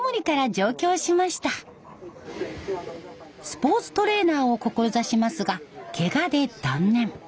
スポーツトレーナーを志しますがけがで断念。